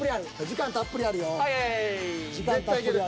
時間たっぷりあるよ。